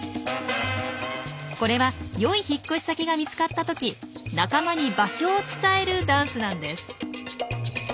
これは良い引っ越し先が見つかった時仲間に場所を伝えるダンスなんです。